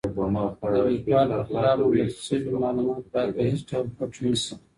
د لیکوال په خلاف موندل سوي مالومات باید په هيڅ ډول پټ نه سي.